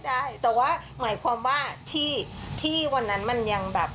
ได้แต่ว่าหมายความว่าที่ที่วันนั้นมันยังแบบ